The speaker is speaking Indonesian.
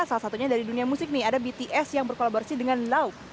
salah satunya dari dunia musik nih ada bts yang berkolaborasi dengan lauk